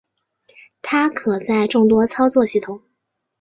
它可在众多操作系统。